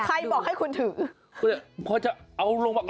ใครบอกให้คุณถือ